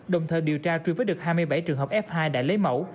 đồng thời điều tra truy vết được hai mươi bảy trường hợp f hai đã lấy mẫu